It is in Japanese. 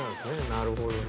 なるほどね。